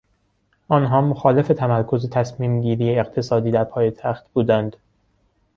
آنها مخالف تمرکز تصمیم گیری اقتصادی در پایتخت بودند.